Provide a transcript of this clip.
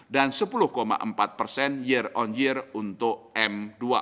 dan sepuluh empat persen year on year untuk m dua